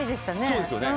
そうですよね。